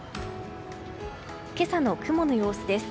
今朝の雲の様子です。